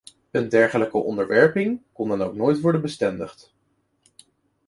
Een dergelijke onderwerping kon dan ook nooit worden bestendigd.